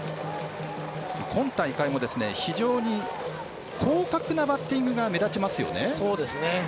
今大会も非常に広角なバッティングが目立ちますね。